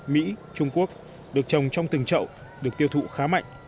mỹ trung quốc được trồng trong từng trậu được tiêu thụ khá mạnh